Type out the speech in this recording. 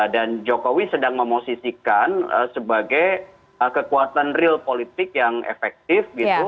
dan jokowi sedang memosisikan sebagai kekuatan real politik yang efektif gitu